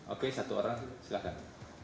oke satu orang silahkan